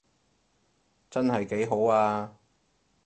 真係幾好啊